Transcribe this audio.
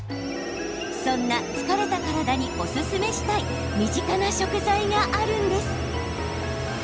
そんな疲れた体におすすめしたい身近な食材があるんです。